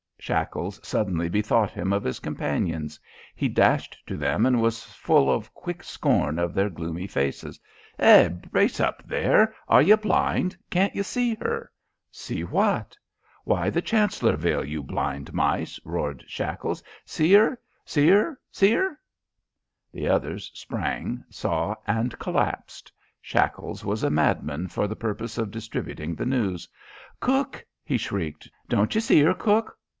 Shackles suddenly bethought him of his companions. He dashed to them and was full of quick scorn of their gloomy faces. "Hi, brace up there! Are you blind? Can't you see her?" "See what?" "Why, the Chancellorville, you blind mice!" roared Shackles. "See 'er? See 'er? See 'er?" The others sprang, saw, and collapsed. Shackles was a madman for the purpose of distributing the news. "Cook!" he shrieked. "Don't you see 'er, cook?